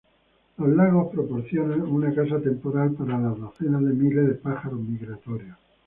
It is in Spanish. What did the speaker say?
Los lagos proporcionan una casa temporal para las decenas de miles de pájaros migratorios.